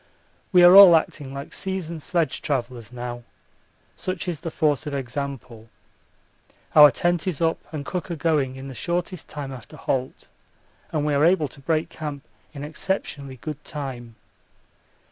We are all acting like seasoned sledge travellers now, such is the force of example. Our tent is up and cooker going in the shortest time after halt, and we are able to break camp in exceptionally good time.